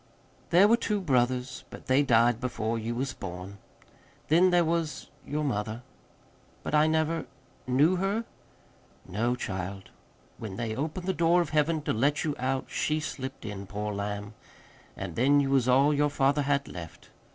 "There were two brothers, but they died before you was born. Then there was your mother." "But I never knew her?" "No, child. When they opened the door of Heaven to let you out she slipped in, poor lamb. An' then you was all your father had left.